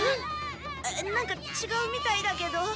なんかちがうみたいだけど。